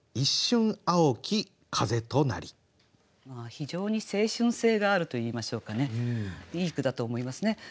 非常に青春性があるといいましょうかねいい句だと思いますね。